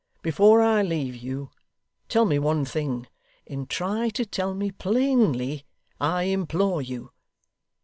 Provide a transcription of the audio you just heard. Before I leave you, tell me one thing, and try to tell me plainly, I implore you.